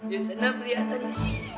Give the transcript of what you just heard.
ya senang pria tadi